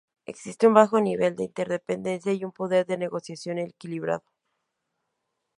Existe un bajo nivel de interdependencia y un poder de negociación equilibrado.